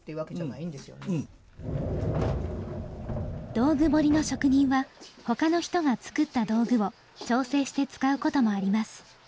道具彫の職人はほかの人が作った道具を調整して使うこともあります。